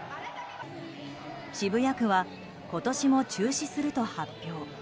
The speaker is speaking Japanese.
渋谷区は今年も中止すると発表。